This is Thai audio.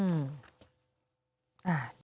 อืมอ่า